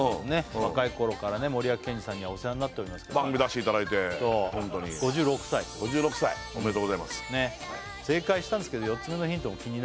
若いころから森脇健児さんにはお世話になっておりますから番組出していただいてホントにそう５６歳５６歳おめでとうございます正解したんですけどまあ